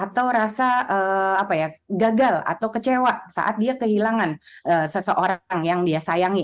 atau rasa gagal atau kecewa saat dia kehilangan seseorang yang dia sayangi